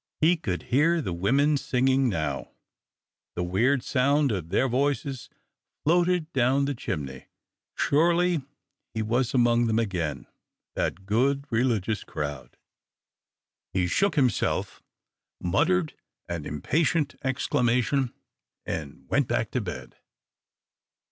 He could hear the women singing now, the weird sound of their voices floated down the chimney. Surely he was among them again, that good, religious crowd. He shook himself, muttered an impatient exclamation, and went back to bed.